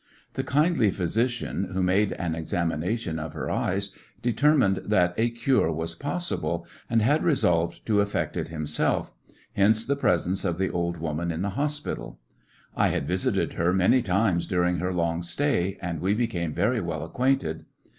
The kindly physician, who made an exami nation of her eyes, determined that a cure was possible, and had resolved to effect it himself; hence the presence of the old woman in the hospital. I had visited her many times dur ing her long stay, and we became very well acquainted.